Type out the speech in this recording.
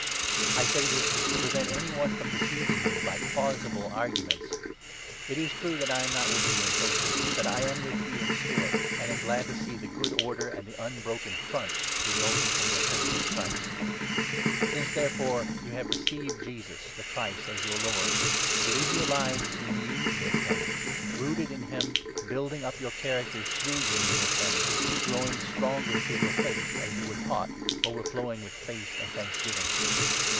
I say this to 4 prevent any one from deceiving you by plausible arguments. It is true that I am not with you in person, but I am with you 5 in spirit, and am glad to see the good order and the unbroken front resulting from your faith in Christ. Union with Since, therefore, you have received Jesus, the 6 Christ. Christ, as your Lord, live your lives in union with him — rooted in him, building up your characters through 7 union with him, growing stronger through your faith, as you were taught, overflowing with faith and thanksgiving.